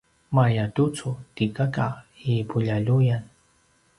mayatucu ti kaka i puljaljuyan